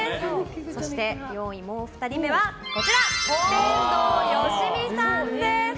そして４位、２人目は天童よしみさんです。